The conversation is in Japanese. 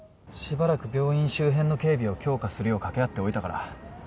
しばらく病院周辺の警備を強化するよう掛け合っておいたから。